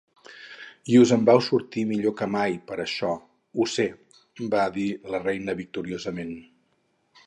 'I us en vau sortir millor que mai per això, ho sé!' va dir la reina victoriosament.